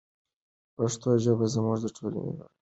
پښتو ژبه زموږ د ټولو ګډه سرمایه ده.